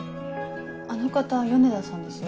あの方米田さんですよ。